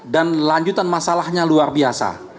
dan lanjutan masalahnya luar biasa